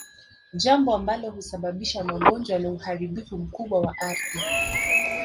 Jambo ambalo husababisha magonjwa na uharibifu mkubwa wa ardhi